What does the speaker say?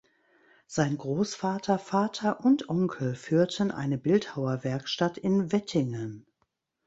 Sein Grossvater, Vater und Onkel führten eine Bildhauerwerkstatt in Wettingen.